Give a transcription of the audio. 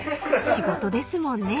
［仕事ですもんね。